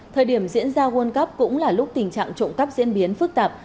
thời điểm diễn ra world cup cũng là lúc tình trạng trộm cắp diễn biến phức tạp